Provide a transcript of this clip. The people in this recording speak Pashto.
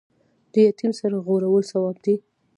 د یتیم سر غوړول ثواب دی